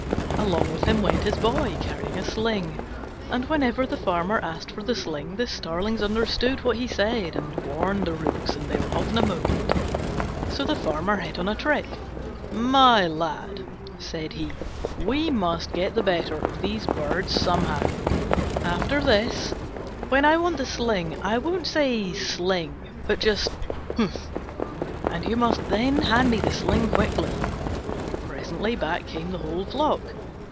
Along with him went his Boy, carrying a sling: and whenever the Farmer asked for the sling the starlings understood what he said and warned the Rooks and they were off in a moment. So the Farmer hit on a trick. "My lad," said he, "we must get the better of these birds somehow. After this, when I want the sling, I won't say 'sling,' but just 'humph!' and you must then hand me the sling quickly." Presently back came the whole flock.